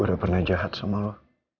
udah pernah jahat sama lo